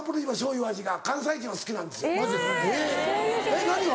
えっ何が？